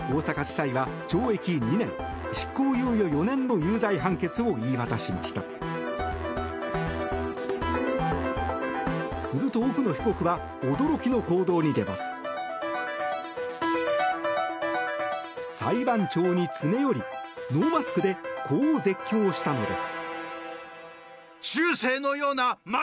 裁判長に詰め寄り、ノーマスクでこう絶叫したのです。